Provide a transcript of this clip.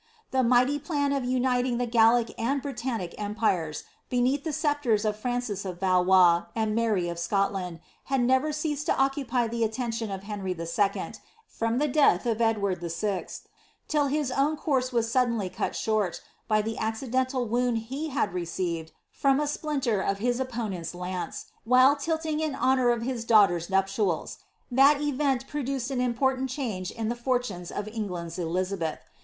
The mighty plan of muting the Gallic and Britannic empires, beneath the sceptres of Franictt of Valois and Haiy of Scotland, had never ceased lo occupy the atM^ lion of Henry 11., from the death of Edward VI., [ill his own coum was auddenly cut short, by the accidental wound he received, from a qilinter of his opponent's lance,* while tilting in honour of hiadaughler*! Bnptials. That event produced an important change in the fortnnea of Ei^land's Elizabeth.